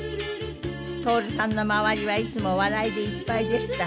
徹さんの周りはいつも笑いでいっぱいでした。